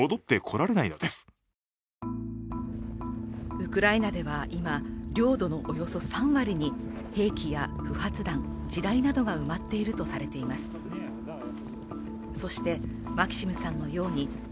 ウクライナでは今、領土のおよそ３割に兵器や不発弾、地雷などが埋まっているとされています。